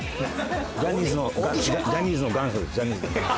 ジャニーズのジャニーズの元祖です。